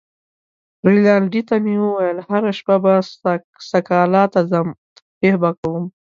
رینالډي ته مې وویل: هره شپه به سکالا ته ځم، تفریح به کوم.